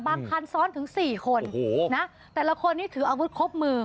บางทางซ้อนถึงสี่คนโอ้โหนะแต่ละคนที่ถืออัวุธมือ